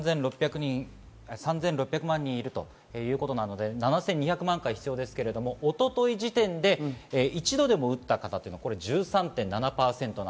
３６００万人いるということなので７２００万回必要ですが、一昨日時点で一度でも打った方は１３．７％。